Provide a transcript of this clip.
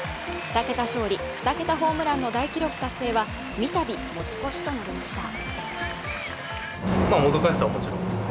２桁勝利・２桁ホームランの大記録達成は三たび、持ち越しとなりました。